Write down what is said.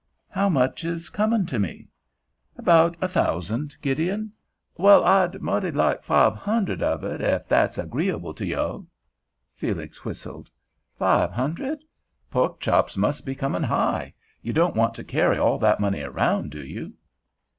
"How much is coming to me?" "About a thousand, Gideon." "Well, I'd moughty like five hun'red of it, ef that's 'greeable to yo'." Felix whistled. "Five hundred? Pork chops must be coming high. You don't want to carry all that money around, do you?"